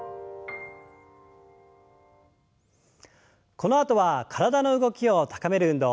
このあとは体の動きを高める運動。